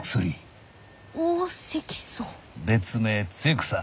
別名露草。